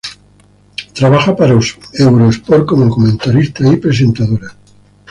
Trabaja para Eurosport como comentarista y presentadora.